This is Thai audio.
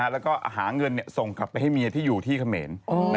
แล้วก็หาเงินส่งกลับไปให้เมียที่อยู่ที่เขมร